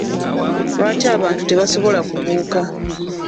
Lwaki abantu tebasobola kubuuka?